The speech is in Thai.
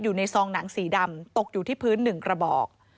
ซองหนังสีดำตกอยู่ที่พื้น๑กระบอก